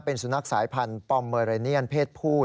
เป็นสุนัขสายพันธุ์ปอมเมอเรเนียนเพศผู้